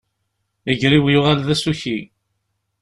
Iger-iw yuɣal d asuki.